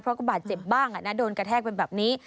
เพราะก็บาดเจ็บบ้างโดนกระแทกเป็นแบบนี้